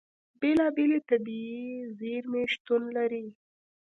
بېلابېلې طبیعي زیرمې شتون لري.